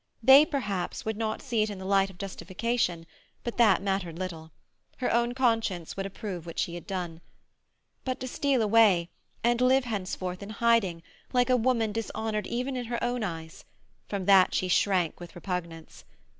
They, perhaps, would not see it in the light of justification, but that mattered little; her own conscience would approve what she had done. But to steal away, and live henceforth in hiding, like a woman dishonoured even in her own eyes—from that she shrank with repugnance.